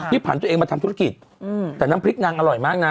นี่ผ่านตัวเองมาทำธุรกิจแต่น้ำพริกนางอร่อยมากนะ